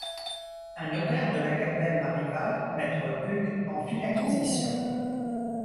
Un notaire de Lacapelle-Marival, maître Hug, en fit l'acquisition.